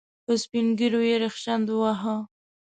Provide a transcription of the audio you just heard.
په سپين ږيرو يې ريشخند وواهه.